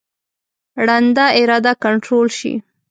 ړنده اراده کنټرول شي.